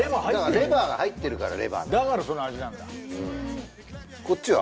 レバーが入ってるからレバーだからその味なんだこっちは？